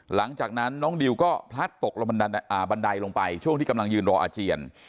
หลังจากนั้นน้องดิวก็พลัดตกลงบันไดลงไปช่วงที่กำลังยืนรออาเจียน